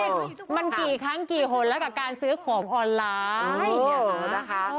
มันกี่ครั้งกี่หนแล้วกับการซื้อของออนไลน์